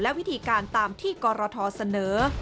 และวิธีการตามที่กรทเสนอ